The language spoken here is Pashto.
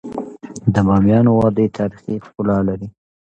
د بامیان وادی تاریخي ښکلا لري.